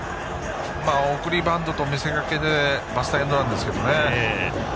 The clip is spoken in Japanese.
送りバントと見せかけてのバスターエンドランでしたね。